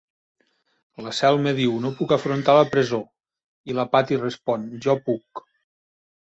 La Selma diu "No puc afrontar la presó", i la Patty respon "Jo puc".